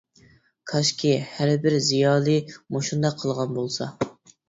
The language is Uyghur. كاشكى ھەر بىر زىيالىي مۇشۇنداق قىلغان بولسا.